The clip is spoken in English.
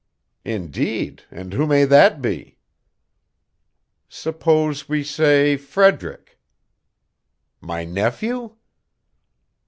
"Indeed, and who may that be?" "Suppose we say Frederick." "My nephew?"